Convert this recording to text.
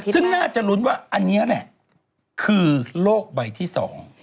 ซึ่งน่าจะลุ้นว่าอันเนี้ยเนี่ยคือโรคใบที่สอง